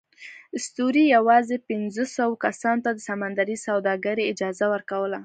اسطورې یواځې پینځوسوو کسانو ته د سمندري سوداګرۍ اجازه ورکوله.